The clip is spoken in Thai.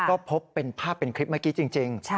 ก็พบเป็นภาพเป็นคลิปเมื่อกี้จริง